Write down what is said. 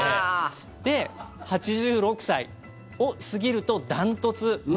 で、８６歳を過ぎると断トツ。